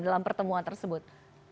dalam pertemuan tersebut